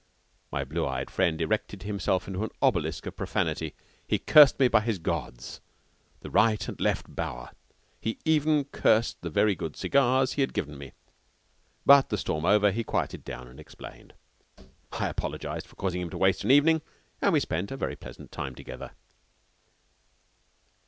My blue eyed friend erected himself into an obelisk of profanity. He cursed me by his gods the right and left bower; he even cursed the very good cigars he had given me. But, the storm over, he quieted down and explained. I apologized for causing him to waste an evening, and we spent a very pleasant time together.